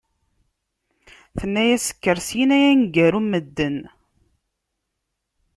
Tenna-yas kker syin ay aneggar n medden!